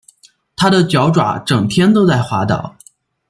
它的脚爪整天都在滑倒